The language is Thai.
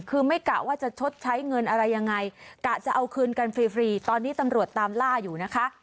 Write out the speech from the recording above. คือไม่กะว่าจะชดใช้เงินอะไรยังไงกะจะเอาคืนกันฟรีตอนนี้ตำรวจตามล่าอยู่นะคะ